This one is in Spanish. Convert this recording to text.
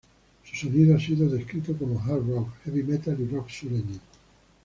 Su sonido ha sido descrito como hard rock, heavy metal y rock sureño.